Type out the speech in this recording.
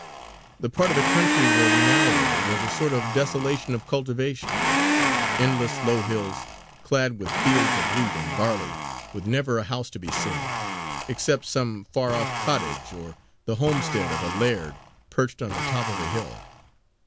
The part of the country where we now were was a sort of desolation of cultivation; endless low hills clad with fields of wheat and barley with never a house to be seen, except some far off cottage or the homestead of a laird perched on the top of a hill.